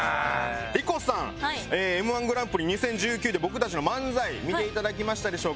莉子さんＭ−１グランプリ２０１９で僕たちの漫才見て頂きましたでしょうか？